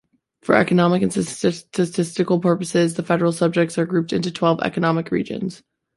For economic and statistical purposes the federal subjects are grouped into twelve economic regions.